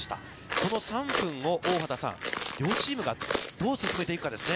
この３分を大畑さん、両チームがどう進めていくかですね。